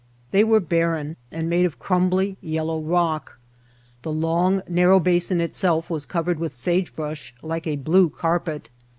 They were barren and made of crumbly yellow rock. The long narrow basin itself was covered with sagebrush like a blue carpet.